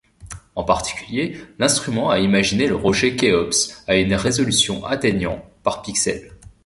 En particulier, l'instrument a imagé le rocher Khéops à une résolution atteignant par pixel.